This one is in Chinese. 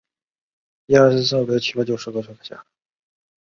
展会设计在世界的不同地区都会受到本地文化和地方物质水平的影响。